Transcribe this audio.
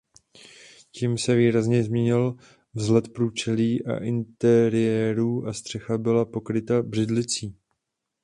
Tím se výrazně změnil vzhled průčelí a interiérů a střecha byla pokryta břidlicí.